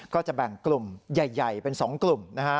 ก็จะแบ่งกลุ่มใหญ่เป็น๒กลุ่มนะฮะ